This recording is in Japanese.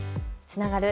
つながる。